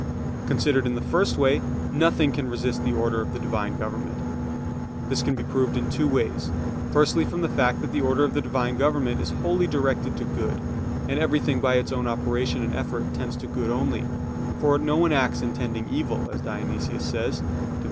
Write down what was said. Considered in the first way, nothing can resist the order of the Divine government. This can be proved in two ways: firstly from the fact that the order of the Divine government is wholly directed to good, and everything by its own operation and effort tends to good only, "for no one acts intending evil," as Dionysius says (Div.